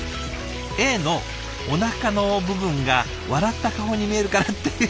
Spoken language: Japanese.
エイのおなかの部分が笑った顔に見えるからって。